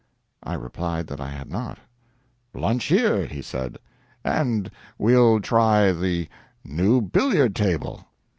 I replied that I had not. "Lunch here," he said, "and we'll try the new billiard table."